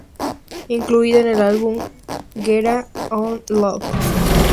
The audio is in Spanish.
Incluida en el álbum de Guetta, "One Love".